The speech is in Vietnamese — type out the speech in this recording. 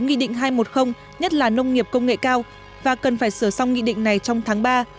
nếu nghị định hai một nhất là nông nghiệp công nghệ cao và cần phải sửa xong nghị định này trong tháng ba